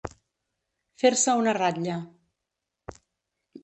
Fer-se una ratlla.